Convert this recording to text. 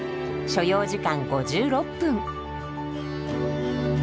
所要時間５６分。